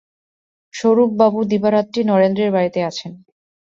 স্বরূপবাবু দিবারাত্রি নরেন্দ্রের বাড়িতে আছেন।